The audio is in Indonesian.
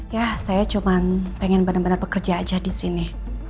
ya saya cuma pengen bener bener bekerja aja disini